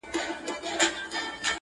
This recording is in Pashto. د ازل غشي ویشتلی پر ځیګر دی!!